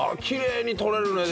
きれいに取れる。